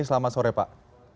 selamat sore pak